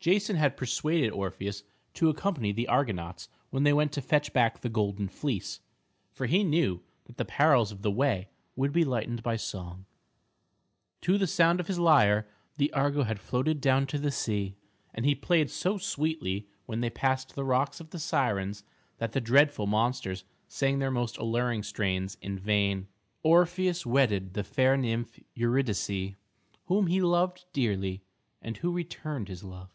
Jason had persuaded Orpheus to accompany the Argonauts when they went to fetch back the golden fleece, for he knew that the perils of the way would be lightened by song. To the sound of his lyre the Argo had floated down to the sea, and he played so sweetly when they passed the rocks of the Sirens that the dreadful monsters sang their most alluring strains in vain. Orpheus wedded the fair nymph Eurydice, whom he loved dearly, and who returned his love.